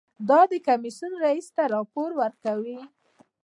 دا د کمیسیون رییس ته راپور ورکوي.